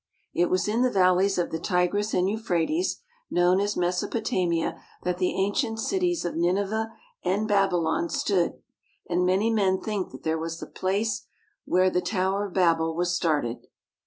It was in the valleys of the Tigris and Euphrates, known as Mesopotamia, that the ancient cities of Nineveh and Babylon stood, and many men think that there was the place where the Tower of Babel was started.